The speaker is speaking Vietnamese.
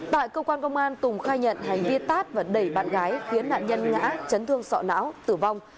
tại cơ quan công an tùng khai nhận hành vi tát và đẩy bạn gái khiến nạn nhân ngã chấn thương sọ não tử vong